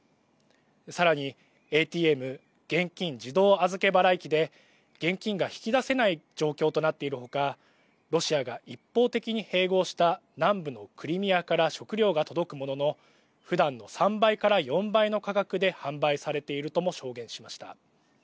さらにＡＴＭ＝現金自動預け払い機で現金が引き出せない状況となっているほかロシアが一方的に併合した南部のクリミアから食料が届くもののふだんの３倍から４倍の価格で販売されているとも証言しました。